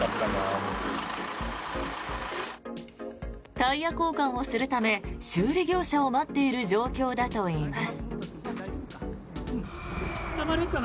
タイヤ交換をするため修理業者を待っている状況だといいます。